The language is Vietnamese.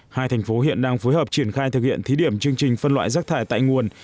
hai thành phố hiện đang phối hợp triển khai thực hiện thí điểm chương trình phân loại rác thải tại nguồn